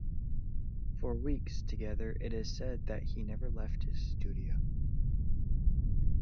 For weeks together it is said that he never left his studio.